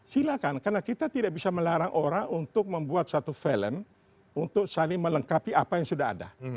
silahkan karena kita tidak bisa melarang orang untuk membuat satu film untuk saling melengkapi apa yang sudah ada